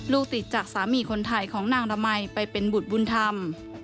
ลูกติดจากสามีคนไทยของนางละมัยไปเป็นบุตรบุญธรรม